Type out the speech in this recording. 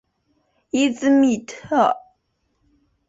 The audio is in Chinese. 伊兹密特。